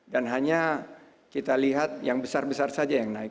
dan hanya kita lihat yang besar besar saja yang naik